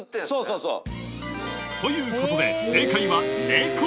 そうそう！ということででははい。